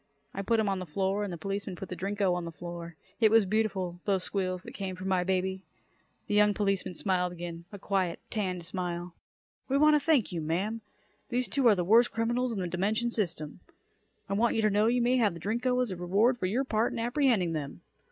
I put him on the floor and the policeman put the Drinko on the floor. It was beautiful, those squeals that came from my baby. The young policeman smiled again, a quiet, tanned smile. "We want to thank you, ma'am. These two are the worst criminals in the dimension system. I want you to know you may have the Drinko as a reward for your part in apprehending them.